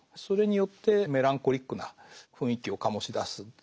それによってメランコリックな雰囲気を醸し出す。